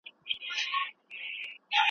موسیقي د زړه د سکون لپاره ده.